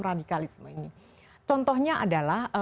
radikalisme ini contohnya adalah